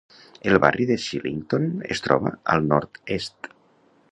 El barri de Shillington es troba al nord-est.